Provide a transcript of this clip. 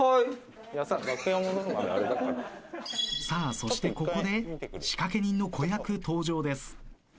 さあそしてここで仕掛け人の子役登場です。